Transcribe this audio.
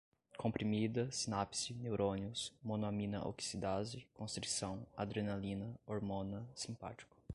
comprimida, sinapse, neurônios, monoamina oxidase, constrição, adrenalina, hormona, simpático